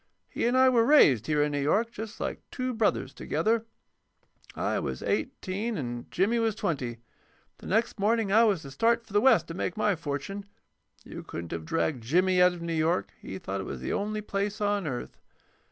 He and I were raised here in New York, just like two brothers, together. I was eighteen and Jimmy was twenty. The next morning I was to start for the West to make my fortune. You couldn't have dragged Jimmy out of New York; he thought it was the only place on earth.